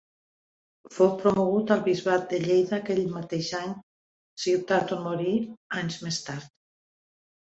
Fou promogut al bisbat de Lleida aquell mateix any, ciutat on morí anys més tard.